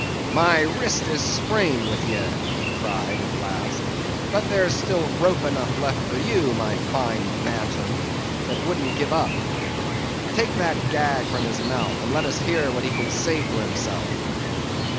"'My wrist is sprained with ye!' he cried, at last; 'but there is still rope enough left for you, my fine bantam, that wouldn't give up. Take that gag from his mouth, and let us hear what he can say for himself.